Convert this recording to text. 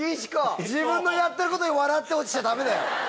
自分のやってることで笑って落ちちゃダメだよ。